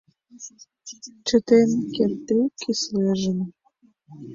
Чытен кертде, кӱслежым